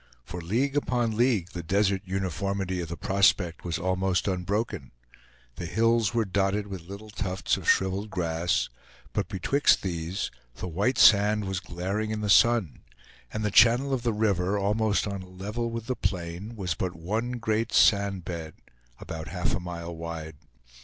For league upon league the desert uniformity of the prospect was almost unbroken; the hills were dotted with little tufts of shriveled grass, but betwixt these the white sand was glaring in the sun; and the channel of the river, almost on a level with the plain, was but one great sand bed, about half a mile wide.